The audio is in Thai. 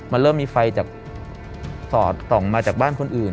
มันเริ่มมีไฟจากสอดส่องมาจากบ้านคนอื่น